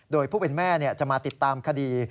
โดยผู้เป็นแม่จะมาติดตามคดี